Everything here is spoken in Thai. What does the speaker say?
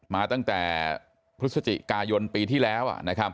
มาตั้งแต่พฤศจิกายนปีที่แล้ว